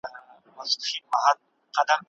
د دغه حج دپاره باید تلپاته او صادقانه کوښښ وکړو.